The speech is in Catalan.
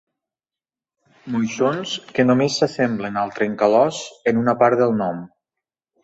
Moixons que només s'assemblen al trencalòs en una part del nom.